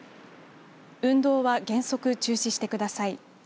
運動は原則中止してください。